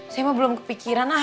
saya mah belum kepikiran ah